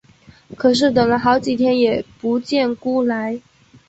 可是等了好几天也不见辜来。